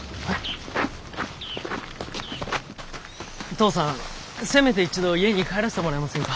父さんせめて一度家に帰らせてもらえませんか？